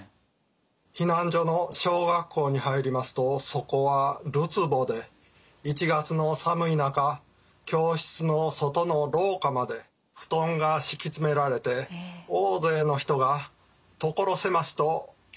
避難所の小学校に入りますとそこはるつぼで１月の寒い中教室の外の廊下まで布団が敷き詰められて大勢の人が所狭しと避難されていました。